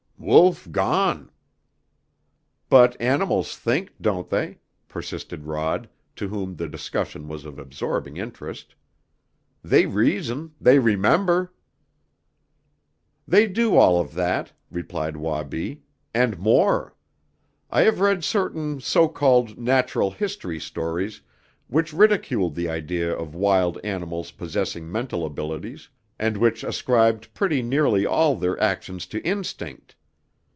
"Wolf gone!" "But animals think, don't they?" persisted Rod, to whom the discussion was of absorbing interest. "They reason, they remember!" "They do all of that," replied Wabi, "and more. I have read certain so called natural history stories which ridiculed the idea of wild animals possessing mental abilities, and which ascribed pretty nearly all their actions to instinct.